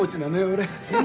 俺。